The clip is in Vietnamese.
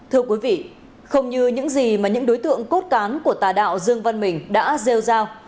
thưa quý vị không như những gì mà những đối tượng cốt cán của tà đạo dương văn mình đã gieo giao